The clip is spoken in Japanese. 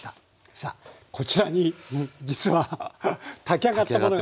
さあこちらに実は炊き上がったものが。